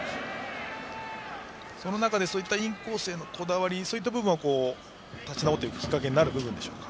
その中でインコースへのこだわりそういった部分は立ち直っていくきっかけになっていく部分ですか。